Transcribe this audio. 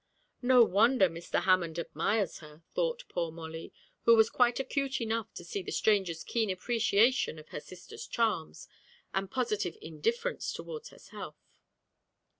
'No wonder Mr. Hammond admires her,' thought poor Molly, who was quite acute enough to see the stranger's keen appreciation of her sister's charms, and positive indifference towards herself.